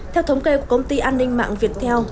theo thống kê của công ty an ninh mạng viettel